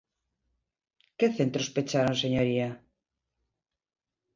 ¿Que centros pecharon, señoría?